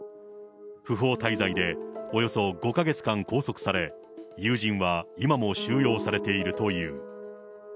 不法滞在でおよそ５か月間拘束され、友人は今も収容されているという。